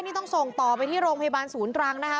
นี่ต้องส่งต่อไปที่โรงพยาบาลศูนย์ตรังนะคะ